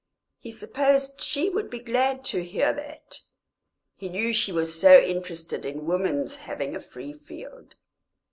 He supposed she would be glad to hear that he knew she was so interested in woman's having a free field.